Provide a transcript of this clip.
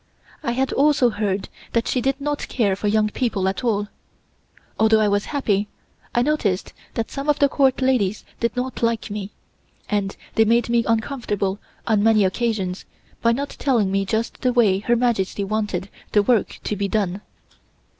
I had also heard that she did not care for young people at all. Although I was happy, I noticed that some of the Court ladies did not like me, and they made me uncomfortable on many occasions by not telling me just the way Her Majesty wanted the work to be done.